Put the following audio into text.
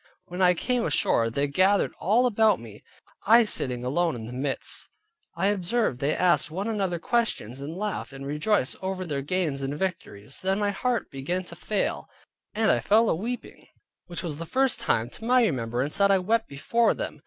When I came ashore, they gathered all about me, I sitting alone in the midst. I observed they asked one another questions, and laughed, and rejoiced over their gains and victories. Then my heart began to fail: and I fell aweeping, which was the first time to my remembrance, that I wept before them.